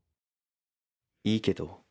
いいけど。